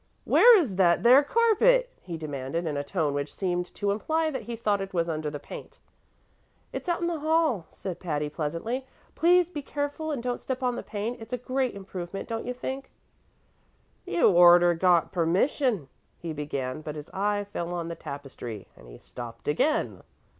"Where is that there carpet?" he demanded, in a tone which seemed to imply that he thought it was under the paint. "It's out in the hall," said Patty, pleasantly. "Please be careful and don't step on the paint. It's a great improvement, don't you think?" "You oughter got permission " he began, but his eye fell on the tapestry and he stopped again.